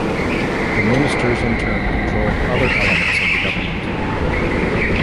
The ministers in turn controlled other elements of the government.